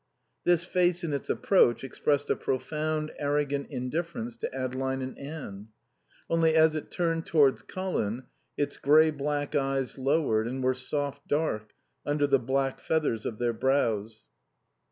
This face in its approach expressed a profound, arrogant indifference to Adeline and Anne. Only as it turned towards Colin its grey black eyes lowered and were soft dark under the black feathers of their brows.